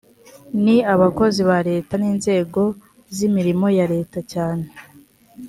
ni abakozi ba leta n’ inzego z’ imirimo ya leta cyane